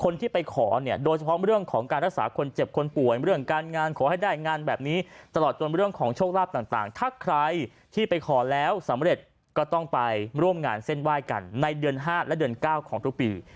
ในเดือน๕และเดือน๙ของทุกปี